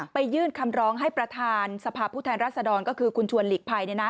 ยื่นคำร้องให้ประธานสภาพผู้แทนรัศดรก็คือคุณชวนหลีกภัย